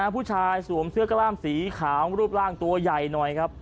ผู้ชายสวมเสื้อกล้ามสีขาวรูปร่างตัวใหญ่หน่อยครับ